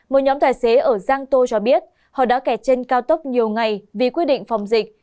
một nhóm tài xế ở giang tô cho biết họ đã kẹt trên cao tốc nhiều ngày vì quy định phòng dịch